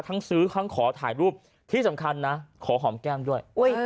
ซื้อทั้งขอถ่ายรูปที่สำคัญนะขอหอมแก้มด้วย